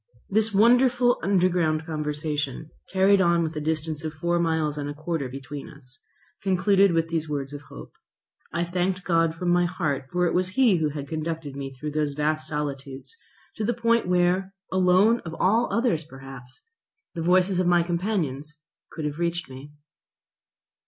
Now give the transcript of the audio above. This wonderful underground conversation, carried on with a distance of four miles and a quarter between us, concluded with these words of hope. I thanked God from my heart, for it was He who had conducted me through those vast solitudes to the point where, alone of all others perhaps, the voices of my companions could have reached me.